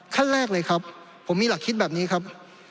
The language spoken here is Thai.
ขั้นแรกเลยครับผมมีหลักคิดแบบนี้ครับ